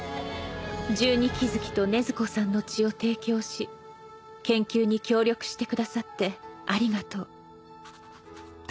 十二鬼月と禰豆子さんの血を提供し研究に協力してくださってありがとう」